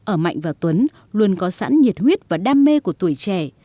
ở mạnh và tuấn luôn có sẵn nhiệt huyết và đam mê của tuổi trẻ